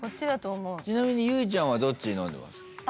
ちなみに結実ちゃんはどっち飲んでますか？